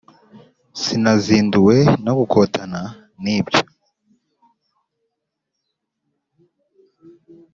Sinazinduwe no gukotana nibyo